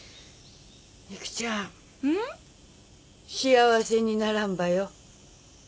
幸せにならんばよ。